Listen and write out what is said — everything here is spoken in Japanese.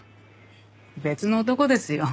別の男ですよ。